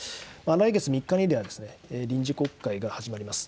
来月３日には、臨時国会が始まります。